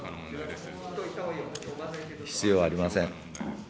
必要ありません。